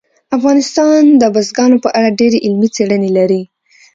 افغانستان د بزګانو په اړه ډېرې علمي څېړنې لري.